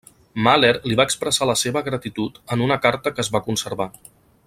Mahler li va expressar la seva gratitud en una carta que es va conservar.